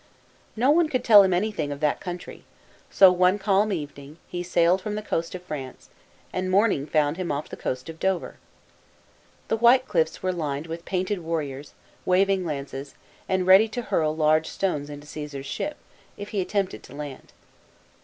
No one could tell him anything of that country, so, one calm evening, he sailed from the coast of France, and morning found him off the coast of Dover. The white cliffs were lined with painted warriors, waving lances, and ready to hurl large stones into Caesar's ship, if he attempted to land.